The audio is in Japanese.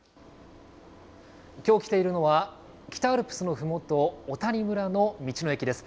きょう来ているのは、北アルプスのふもと、小谷村の道の駅です。